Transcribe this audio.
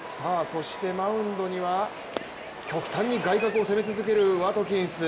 そしてマウンドには、極端に外角を攻め続けるワトキンス。